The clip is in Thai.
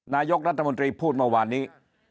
นายกรัฐมนตรีพูดเมื่อวานนี้